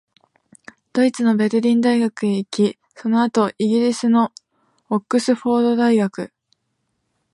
ドイツのベルリン大学に行き、その後、イギリスのオックスフォード大学、